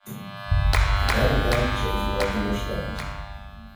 De werkelijkheid is evenwel teleurstellend.